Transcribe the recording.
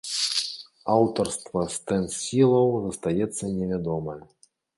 Аўтарства стэнсілаў застаецца невядомае.